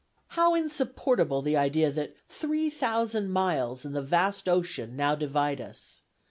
"How insupportable the idea that three thousand miles and the vast ocean now divide us!